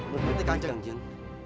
mengerti kang jeng